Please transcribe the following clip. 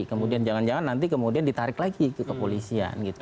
kemudian jangan jangan nanti kemudian ditarik lagi ke kepolisian gitu